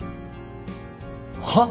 はっ！？